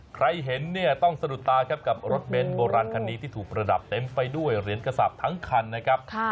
ใครเห็นเนี่ยต้องสะดุดตาครับกับรถเน้นโบราณคันนี้ที่ถูกประดับเต็มไปด้วยเหรียญกระสาปทั้งคันนะครับ